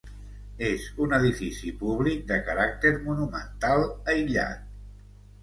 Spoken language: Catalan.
És un edifici públic de caràcter monumental, aïllat.